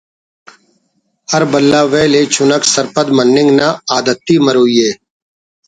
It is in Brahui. ہر بھلا ویل ءِ چنک سرپند مننگ نا عادتی مروئی ءِ